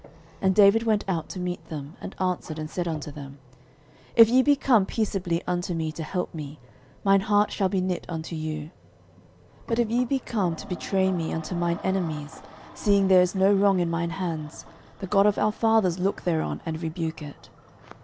13:012:017 And David went out to meet them, and answered and said unto them, If ye be come peaceably unto me to help me, mine heart shall be knit unto you: but if ye be come to betray me to mine enemies, seeing there is no wrong in mine hands, the God of our fathers look thereon, and rebuke it.